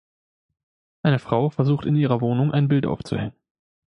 Eine Frau versucht in ihrer Wohnung ein Bild aufzuhängen.